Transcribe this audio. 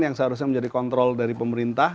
yang seharusnya menjadi kontrol dari pemerintah